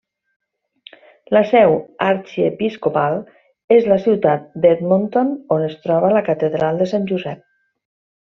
La seu arxiepiscopal és la ciutat d'Edmonton, on es troba la catedral de Sant Josep.